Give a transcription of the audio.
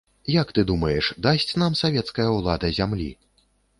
Як ты думаеш, дасць нам савецкая ўлада зямлі?